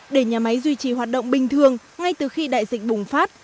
để nhà máy duy trì hoạt động bình thường ngay từ khi đại dịch bùng phát